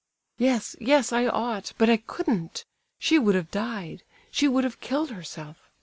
"Yes, yes, I ought—but I couldn't! She would have died—she would have killed herself.